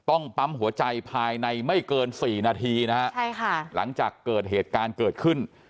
ต้องปั๊มหัวใจภายในไม่เกินสี่นาทีนะฮะใช่ค่ะหลังจากเกิดเหตุการณ์เกิดขึ้น